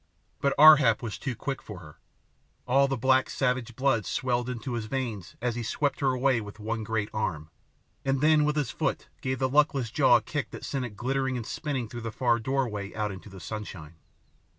But Ar hap was too quick for her. All the black savage blood swelled into his veins as he swept her away with one great arm, and then with his foot gave the luckless jaw a kick that sent it glittering and spinning through the far doorway out into the sunshine.